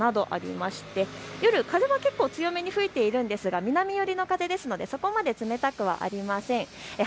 ６時半現在の気温も２１．７度ありまして夜、風は結構強めに吹いているんですが南寄りの風ですので、そこまで冷たくはありません。